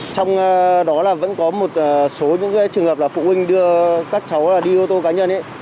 trong đó là vẫn có một số những trường hợp là phụ huynh đưa các cháu đi ô tô cá nhân